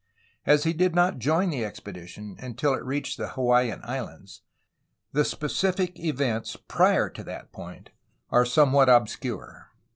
As he did not join the 442 A HISTORY OF CALIFORNIA expedition until it reached the Hawaiian Islands, the specific events prior to that point are somewhat obscure.